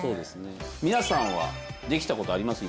皆さんはできたことあります？